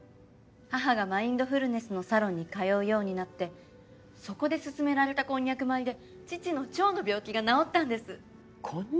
母がマインドフルネスのサロンに通うようになってそこで勧められたこんにゃく米で父の腸の病気が治ったんです。